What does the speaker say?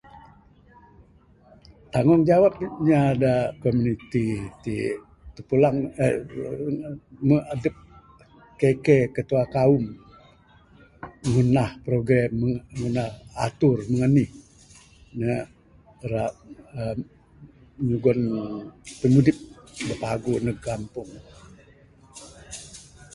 Tanggung jawap inya da komuniti tik, terpulang uhh ndug adup KK, Ketua Kaum ngundah program, ngundah atur. Mung anih ne rak uhh nyugon pimudip da paguh ndug kampung.